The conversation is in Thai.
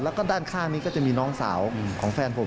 แล้วก็ด้านข้างนี้ก็จะมีน้องสาวของแฟนผม